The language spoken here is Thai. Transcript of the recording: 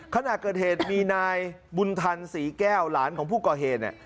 ขณะเกิดเหตุมีนายบุญธรรมศรีแก้วหลานของผู้ก่อเฮน